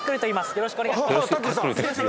よろしくお願いします